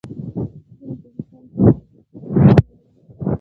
مینه د انسان روح ځواکمنوي.